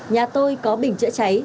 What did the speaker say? nhà tôi có bình chữa cháy